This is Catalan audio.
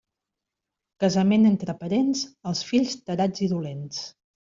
Casament entre parents, els fills tarats i dolents.